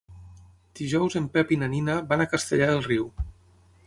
Dijous en Pep i na Nina van a Castellar del Riu.